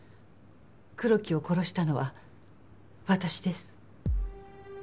黒木を殺したのは私です。